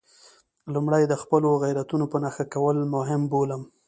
لومړی د خپلو غیرتونو په نښه کول مهم بولم.